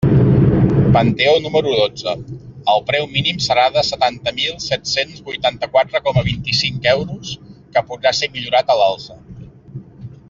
Panteó número dotze: el preu mínim serà de setanta mil set-cents vuitanta-quatre coma vint-i-cinc euros, que podrà ser millorat a l'alça.